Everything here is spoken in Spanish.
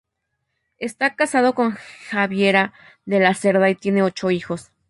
Está casado con Javiera de la Cerda y tiene ocho hijos.